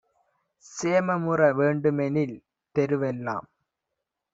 சேமமுற வேண்டுமெனில் தெருவெல்லாம்